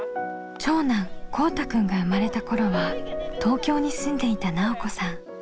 長男こうたくんが生まれた頃は東京に住んでいた奈緒子さん。